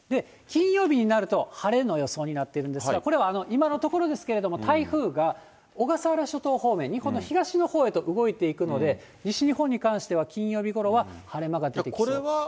金曜日になると晴れの予想になっているんですが、これは今のところですけれども、台風が小笠原諸島方面に、今度、東のほうへと動いていくので、西日本に関しては金曜日ごろには晴れ間が出てきそう。